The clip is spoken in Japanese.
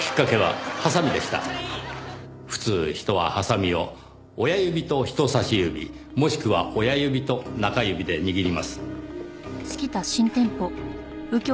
普通人はハサミを親指と人さし指もしくは親指と中指で握ります。